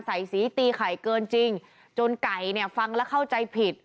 ใส่สีตีไข่เกินจริงจนไก่เนี่ยฟังแล้วเข้าใจผิด